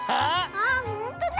あっほんとだ。